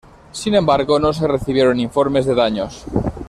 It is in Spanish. Sin embargo, no se recibieron informes de daños.